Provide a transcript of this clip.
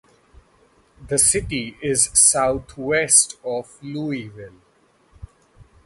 The city is southwest of Louisville.